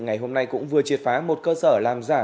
ngày hôm nay cũng vừa triệt phá một cơ sở làm giả